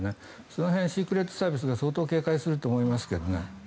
その辺シークレットサービスが相当警戒すると思いますけどね。